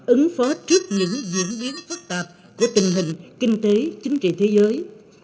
ứng phó trước những diễn biến phức tạp của tình hình kinh tế chính trị thế giới